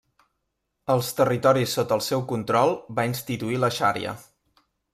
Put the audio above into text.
Als territoris sota el seu control va instituir la xaria.